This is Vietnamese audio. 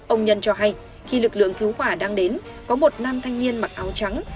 ông nhân cho hay khi lực lượng cứu hỏa đang đến có một nam thanh niên mặc áo trắng